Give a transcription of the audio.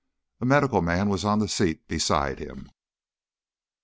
A medical man was on the seat beside him.